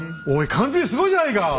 おい缶詰すごいじゃないか！